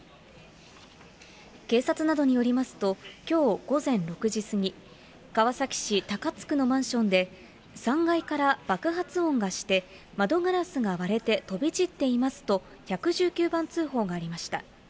警察などによりますと、きょう午前６時過ぎ、川崎市たかつ区のマンションで、３階から爆発音がして、窓ガラスが割れて飛び散っていますと１１９番通報がありました。